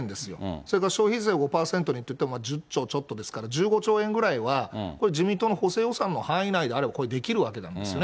それから、消費税５％にって、１０兆ちょっとですから、１５兆円ぐらいは、これ、自民党の補正予算の範囲内であれば、これできるわけなんですよね。